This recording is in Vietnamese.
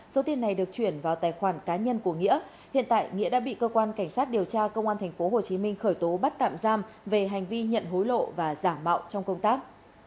số tiền này được chuyển vào tài khoản cá nhân của nghĩa hiện tại nghĩa đã bị cơ quan cảnh sát điều tra công an tp hcm khởi tố bắt tạm giam về hành vi nhận hối lộ và giả mạo trong công tác